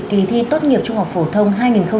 kỳ thi tốt nghiệp trung học phổ thông hai nghìn hai mươi năm